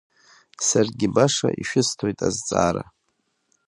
Саргьы баша ишәысҭоит азҵаара…